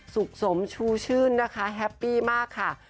สุขสมชูชื่นนะคะแฮปปี้มากค่ะ